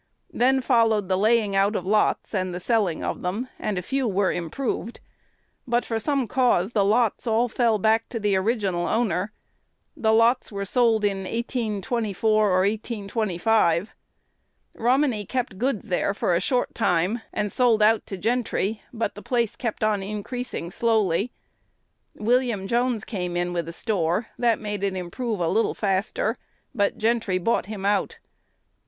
Then followed the laying out of lots, and the selling of them, and a few were improved. But for some cause the lots all fell back to the original owner. The lots were sold in 1824 or 1825. Romine kept goods there a short time, and sold out to Gentry, but the place kept on increasing slowly. William Jones came in with a store, that made it improve a little faster, but Gentry bought him out.